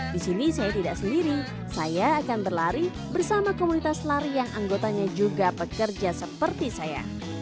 di sini saya tidak sendiri saya akan berlari bersama komunitas lari yang anggotanya juga pekerja seperti saya